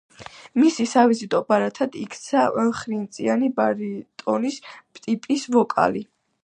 მის სავიზიტო ბარათად იქცა ხრინწიანი ბარიტონის ტიპის ვოკალი.